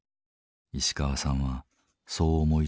石川さんはそう思い詰めている。